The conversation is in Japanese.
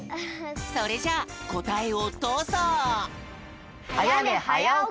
それじゃあこたえをどうぞ！